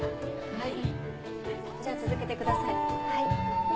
はい。